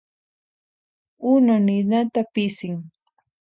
Unu ninata sipin.